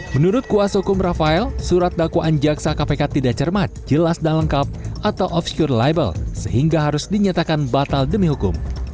menurut kuasa hukum rafael surat dakwaan jaksa kpk tidak cermat jelas dan lengkap atau offsyure label sehingga harus dinyatakan batal demi hukum